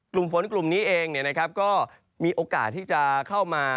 กลุ่มฝนกลุ่มนี้เองก็มีโอกาสที่จะเข้ามา